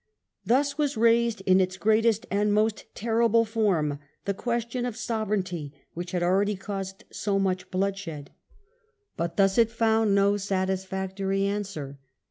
Thus was raised in its greatest and most terrible form the question of sove 'reignty which had already caused so much bloodshed. But thus it found no satisfactory answer.